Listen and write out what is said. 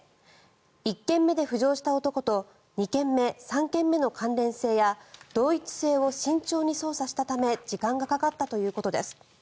１件目で浮上した男と２件目、３件目の関連性や同一性を慎重に捜査したため時間がかかったということです。